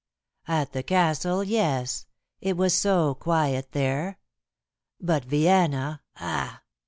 "At the castle, yes. It was so quiet there. But Vienna, ach!